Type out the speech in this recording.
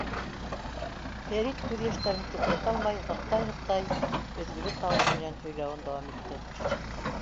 Фәрит күҙ йәштәрен туҡтата алмай, һыҡтай-һыҡтай, өҙгөлө тауыш менән һөйләүен дауам итте.